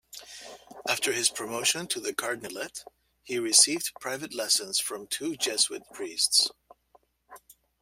After his promotion to the cardinalate, he received private lessons from two Jesuit priests.